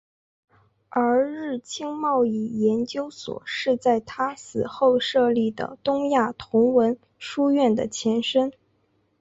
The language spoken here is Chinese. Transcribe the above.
而日清贸易研究所是在他死后设立的东亚同文书院的前身。